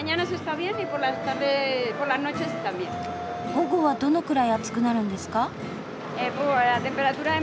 午後はどのくらい暑くなるんですか？